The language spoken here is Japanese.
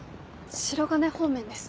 白金方面です。